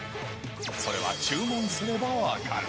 それは注文すれば分かる。